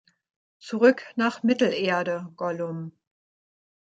Zurück nach Mittelerde, Gollum!